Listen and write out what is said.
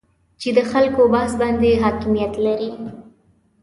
چې د خلکو بحث باندې حاکمیت لري